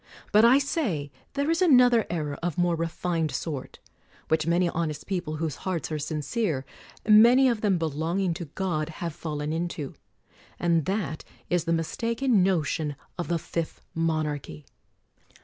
But, I say, there is another error of more refined sort, which many honest people whose hearts are sincere, many of them belong ing to God, have fallen into ; and that is the mis taken notion of the Fifth Monarchy.